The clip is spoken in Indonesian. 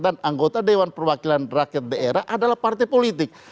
dan anggota dewan perwakilan rakyat daerah adalah partai politik